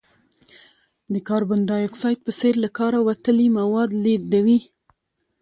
د کاربن ډای اکساید په څېر له کاره وتلي مواد لیږدوي.